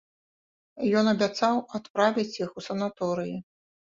Ён абяцаў адправіць іх у санаторыі.